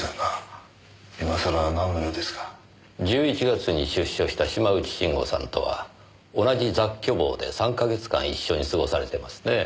１１月に出所した島内慎吾さんとは同じ雑居房で３か月間一緒に過ごされてますね。